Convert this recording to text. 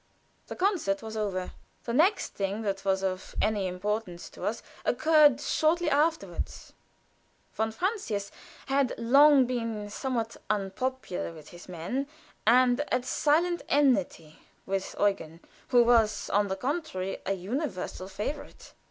The concert was over. The next thing that was of any importance to us occurred shortly afterward. Von Francius had long been somewhat unpopular with his men, and at silent enmity with Eugen, who was, on the contrary, a universal favorite.